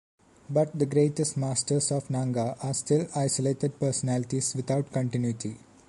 But the greatest masters of Nanga are still isolated personalities without continuity.